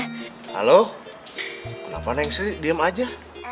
halo kenapa neng sri diem aja